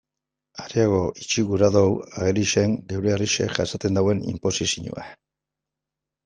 Areago utzi nahi dugu agerian geure herriak jasaten duen inposizioa.